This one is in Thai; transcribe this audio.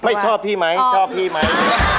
ชอบพี่ไหมชอบพี่ไหม